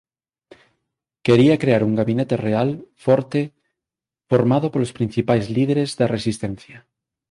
Quería crear un gabinete real forte formado polos principais líderes da resistencia.